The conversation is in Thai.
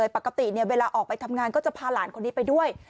ปกติเวลาออกไปทำงานก็จะพาหลานคนนี้ไปด้วย